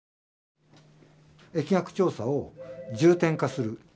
疫学調査を重点化する。